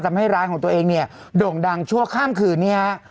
ทำให้ร้านของตัวเองเนี่ยโด่งดังชั่วข้ามคืนเนี่ยฮะ